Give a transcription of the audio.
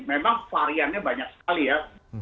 memang variannya banyak sekali ya